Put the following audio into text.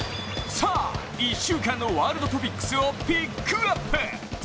１週間のワールドトピックスをピックアップ。